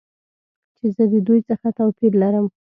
چې زه د دوی څخه توپیر لرم.